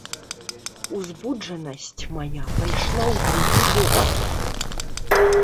Узбуджанасць мая пайшла ў другі бок.